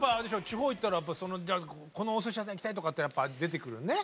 地方行ったらこのお寿司屋さん行きたいとかってやっぱ出てくるね。